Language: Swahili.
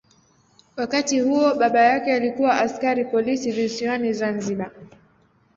Wakati huo baba yake alikuwa askari polisi visiwani Zanzibar.